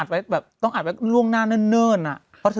ไว้แบบต้องอัดไว้ล่วงหน้าเนิ่นอะ